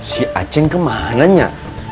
si aceng kemanenya